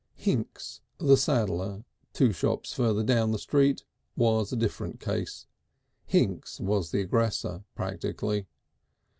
V Hinks, the saddler, two shops further down the street, was a different case. Hinks was the aggressor practically.